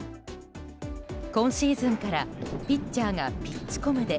今シーズンからピッチャーがピッチコムで